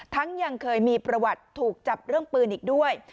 ยังเคยมีประวัติถูกจับเรื่องปืนอีกด้วย